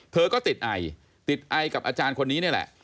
เธอก็ติดไอติดไอกับอาจารย์คนนี้นี่แหละ